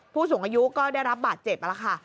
ผู้สูงอายุก็ได้รับบาดเจ็บแล้วค่ะ